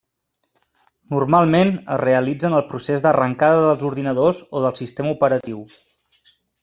Normalment es realitza en el procés d'arrancada dels ordinadors o del sistema operatiu.